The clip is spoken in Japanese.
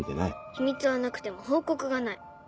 秘密はなくても報告がない。